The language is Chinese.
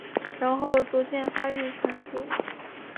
然后逐渐发育成熟。